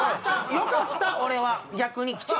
よかった俺は。